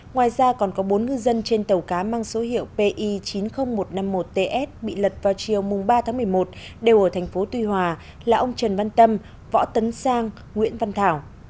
ngoài ra còn có bốn ngư dân trên tàu cá mang số hiệu pi chín mươi nghìn một trăm năm mươi một ts bị lật vào chiều ba một mươi một đều ở thành phố tuy hòa là ông trần văn tâm võ tấn sang nguyễn văn thảo